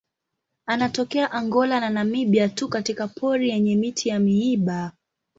Anatokea Angola na Namibia tu katika pori yenye miti ya miiba.